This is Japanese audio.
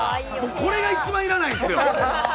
これが一番要らないんですよ。